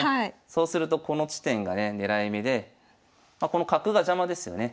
そうするとこの地点がね狙い目でまあこの角が邪魔ですよね。